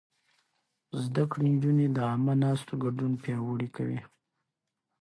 زده کړې نجونې د عامه ناستو ګډون پياوړی کوي.